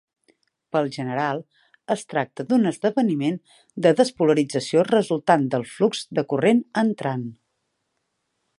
Pel general, es tracta d'un esdeveniment de despolarització resultant del flux de corrent entrant.